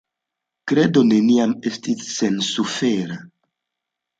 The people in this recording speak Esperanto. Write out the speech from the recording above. Kredo neniam estis sensufera.